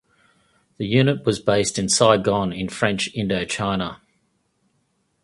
The unit was based in Saigon in French Indochina.